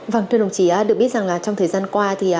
vâng thưa đồng chí được biết rằng trong thời gian qua